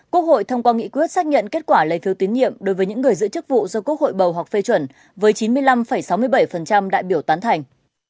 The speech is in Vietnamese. quốc hội thông qua nghị quyết xác nhận kết quả lấy phiếu tín nhiệm đối với những người giữ chức vụ do quốc hội bầu hoặc phê chuẩn với chín mươi năm sáu mươi bảy đại biểu tán thành